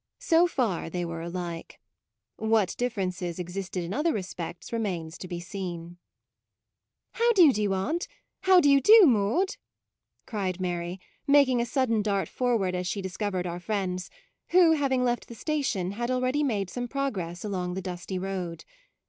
So far they were alike: what differences existed in other respects remains to be seen. MAUDE " How do you do, aunt? How do you do, Maude? " cried Mary, mak ing a sudden dart forward as she dis covered our friends, who, having left the station, had already made some progress along the dusty road.